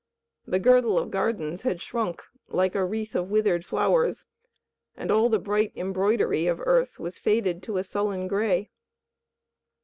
The girdle of gardens had shrunk like a wreath of withered flowers, and all the bright embroidery, of earth was faded to a sullen gray.